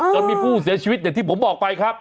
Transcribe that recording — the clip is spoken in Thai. จนมีผู้เสียชีวิตอย่างที่ผมบอกไปครับ